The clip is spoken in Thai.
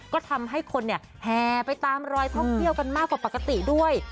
ก็ทำให้คนแห่ไปตามรอยท่องเที่ยวกันมากกว่าปกติด้วย